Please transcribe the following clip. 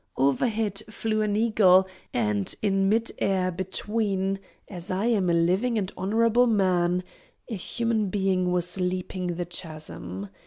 Over head flew an eagle, and in mid air between, as I am a living and honourable man, a human being was leaping the chasm.